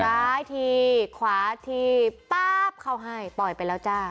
ซ้ายทีขวาทีป๊าบเข้าให้ปล่อยไปแล้วจ้า